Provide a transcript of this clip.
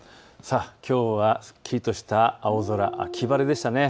きょうはすっきりとした青空、秋晴れでしたね。